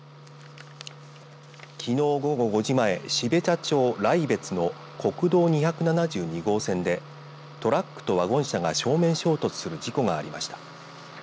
きのう午後５時前標茶町雷別の国道２７２号線でトラックとワゴン車が正面衝突する事故がありました。